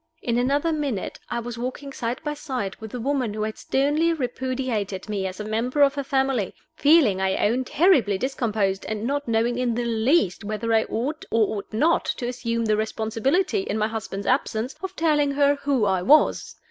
In another minute I was walking side by side with the woman who had sternly repudiated me as a member of her family; feeling, I own, terribly discomposed, and not knowing in the least whether I ought or ought not to assume the responsibility, in my husband's absence, of telling her who I was.